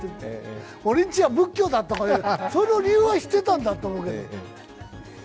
俺んちは仏教だって、その理由は知ってたんだと思うんだけど。